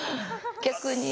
逆に。